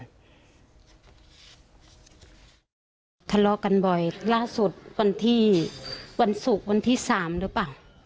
ทะเลาะกันบ่อยล่าสุดวันที่วันศุกร์วันที่๓หรือเปล่า